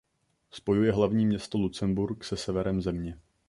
Spojuje hlavní město Lucemburk se severem země.